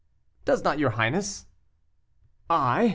"Does not your highness?" "I!